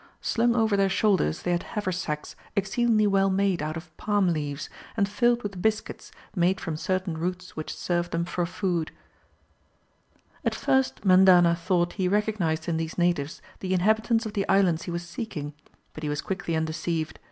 Slung over their shoulders they had haversacks exceedingly well made out of palm leaves, and filled with biscuits made from certain roots which serve them for food. [Illustration: Doña Isabella consults the officers.] At first Mendana thought he recognized in these natives the inhabitants of the islands he was seeking, but he was quickly undeceived.